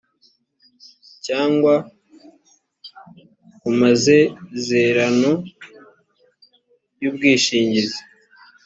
cyangwa ku mazezerano y ubwishingizi